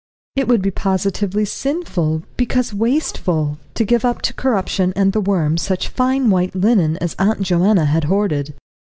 It would be positively sinful, because wasteful, to give up to corruption and the worm such fine white linen as Aunt Joanna had hoarded.